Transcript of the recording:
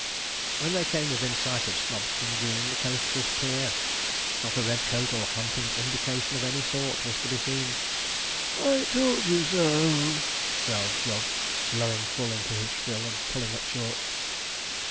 When they came within sight of Snobston Green, the coast was clear. Not a red coat, or hunting indication of any sort, was to be seen. 'I told you so (puff)!' growled Jog, blowing full into his frill, and pulling up short.